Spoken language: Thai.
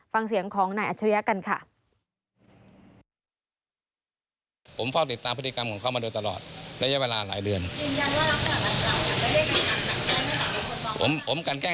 ฟังเสียงของนายอัจฉริยะกันค่ะ